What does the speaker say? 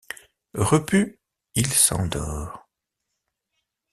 Repu, il s'endort.